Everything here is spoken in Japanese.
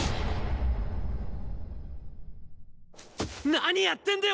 何やってんだよ